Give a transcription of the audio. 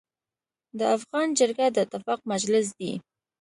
د افغان جرګه د اتفاق مجلس دی.